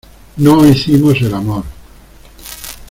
no hicimos el amor.